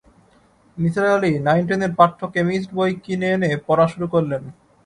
Nisar Ali nine টেনের পাঠ্য chemist বই কিনে এনে পড়া শুরু করলেন।